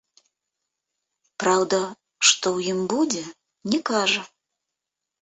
Праўда, што ў ім будзе, не кажа.